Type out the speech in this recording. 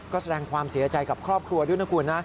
ก็แสดงความเสียใจกับครอบครัวด้วยนะคุณนะ